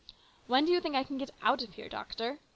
"When do you think I can get out of here, doctor